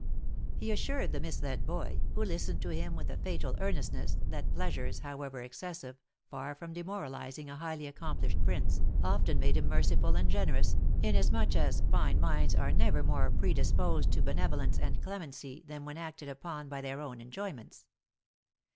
He assured the misled boy, who listened to him with a fatal earnestness, that pleasures, however excessive, far from demoralising a highly accomplished prince, often made him merciful and generous, inasmuch as fine minds are never more predisposed to benevolence and clemency than when acted upon by their own enjoyments.